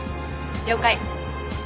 了解。